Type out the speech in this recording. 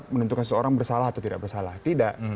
menentukan seseorang bersalah atau tidak bersalah tidak